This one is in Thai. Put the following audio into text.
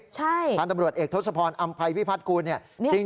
ใช่พลันตำรวจเอกทศพรอมภัยพี่พัทกูลเนี่ย